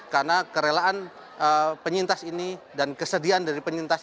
karena kerelaan penyintas ini dan kesedihan dari penyintas